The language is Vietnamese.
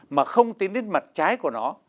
mà không tin đến mặt trái của nó